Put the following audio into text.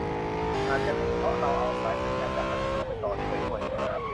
อาจจะเป็นเพราะเราเอาสายสัญญาณจากผนังเข้าไปต่อช่วยด้วย